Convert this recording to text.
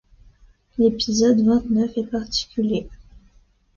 L’épisode vingt-neuf est particulier.